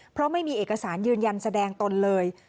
เพราะไม่มีเอกสารยืนยันแสดงตนเลย